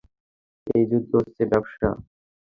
এই যুদ্ধ হচ্ছে ব্যবসা।